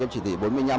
chỉ tỉ bốn mươi năm